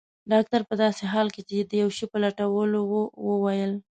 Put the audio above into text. ډاکټر په داسې حال کې چي د یو شي په لټولو وو وویل.